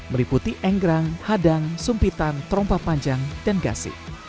meliputi engrang hadang sumpitan trompa panjang dan gasi